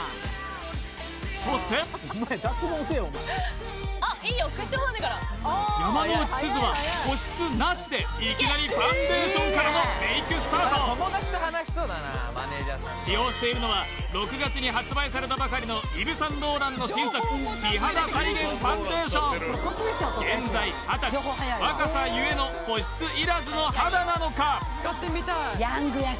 そして山之内すずは保湿なしでいきなりファンデーションからのメイクスタート使用しているのは６月に発売されたばかりのイヴ・サンローランの新作美肌再現ファンデーション現在２０歳若さゆえの保湿いらずの肌なのか？